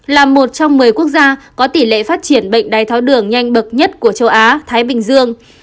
là một trong một mươi quốc gia có tỷ lệ phát triển bệnh đai tháo đường nhanh bậc nhất của châu á thái bình dương